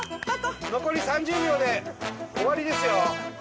残り３０秒で終わりですよ。